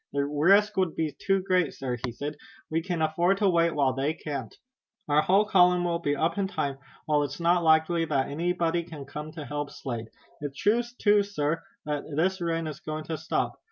"The risk would be too great, sir," he said. "We can afford to wait while they can't. Our whole column will be up in time, while it's not likely that anybody can come to help Slade. It's true too, sir, that this rain is going to stop.